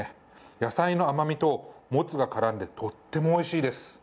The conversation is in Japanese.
野菜の甘みと、もつが絡んでとってもおいしいです。